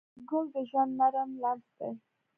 ګل د ژوند نرم لمس دی.